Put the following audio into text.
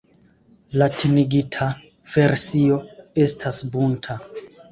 Latinigita versio estas "Bunta".